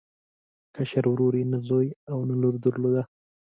کشر ورور یې نه زوی او نه لور درلوده.